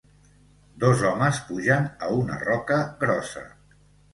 Dos homes pugen a una roca grossa.